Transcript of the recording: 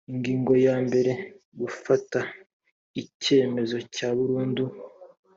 ingingo ya mbere gufata icyemezo cya burundu